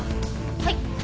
はい。